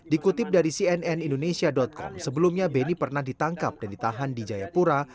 dikutip dari cnn indonesia com sebelumnya beni pernah ditangkap dan ditahan di jayapura